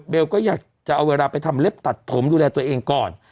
ก็อยากจะเอาเวลาไปทำเล็บตัดผมดูแลตัวเองก่อน